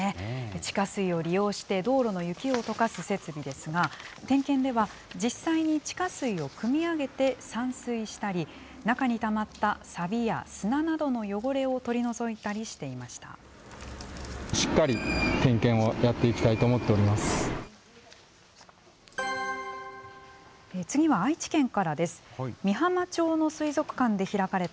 地下水を利用して、道路の雪をとかす設備ですが、点検では実際に地下水をくみ上げて、散水したり、中にたまったさびや砂などの汚れを取り除いたりしていました。